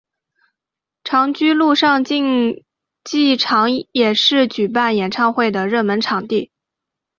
长居陆上竞技场也是举办演唱会的热门场地。